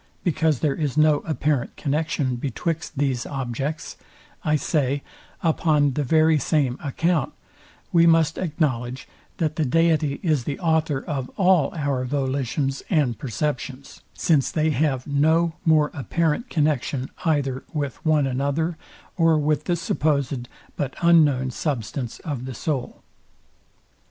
because there is no apparent connexion betwixt these objects; I say, upon the very same account, we must acknowledge that the deity is the author of all our volitions and perceptions; since they have no more apparent connexion either with one another, or with the supposed but unknown substance of the soul.